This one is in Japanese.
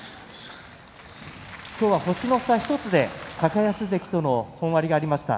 今日は星の差１つで高安関との本割がありました。